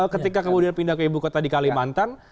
ketika kemudian pindah ke ibu kota di kalimantan